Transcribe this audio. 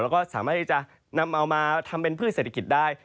แล้วก็สามารถที่จะนำเอามาทำเป็นพืชเศรษฐกิจได้